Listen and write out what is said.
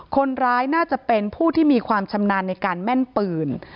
คนร้ายน่าจะเป็นผู้ที่มีความชำนาญในการแม่นปืน